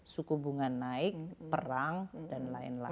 suku bunga naik perang dan lain lain